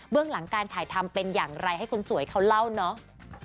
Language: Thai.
เรื่องหลังการถ่ายทำเป็นอย่างไรให้คนสวยเขาเล่าเนาะ